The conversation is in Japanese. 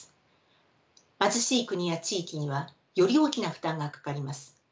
貧しい国や地域にはより大きな負担がかかります。